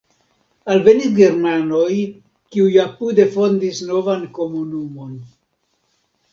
Alvenis germanoj, kiuj apude fondis novan komunumon.